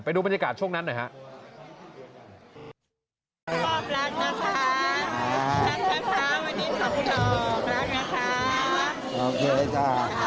ดูบรรยากาศช่วงนั้นหน่อยฮะ